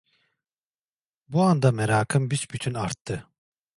Bu anda merakım büsbütün arttı.